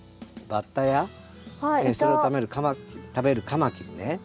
バッタやそれを食べるカマキリね